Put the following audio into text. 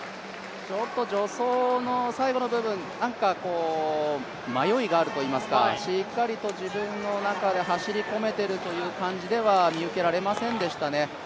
ちょっと助走の最後の部分、迷いがあるといいますかしっかりと自分の中で走り込めてる感じでは見受けられませんでしたね。